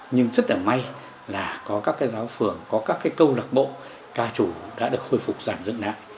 nhưng rất là may là có các giáo phường có các câu lạc bộ ca trù đã được khôi phục giảm dựng lại